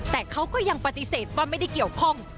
แต่เขาก็ยังปฏิเสธว่าไม่ได้เกี่ยวข้อง